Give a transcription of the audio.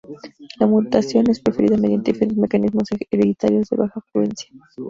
La mutación es transferida mediante diferentes mecanismos hereditarios de baja frecuencia.